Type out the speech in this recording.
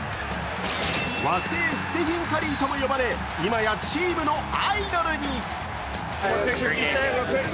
和製ステフィン・カリーとも呼ばれ、今やチームのアイドルに。